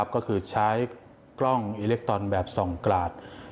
ก็คือใช้กล้องอิเล็กตอนแบบส่องกราด